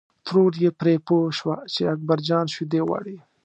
ترور یې پرې پوه شوه چې اکبر جان شیدې غواړي.